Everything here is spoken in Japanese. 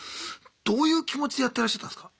どういう気持ちでやってらっしゃったんすか？